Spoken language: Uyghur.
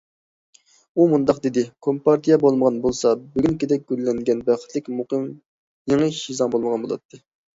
ئۇ مۇنداق دېدى: كومپارتىيە بولمىغان بولسا بۈگۈنكىدەك گۈللەنگەن، بەختلىك، مۇقىم يېڭى شىزاڭ بولمىغان بولاتتى.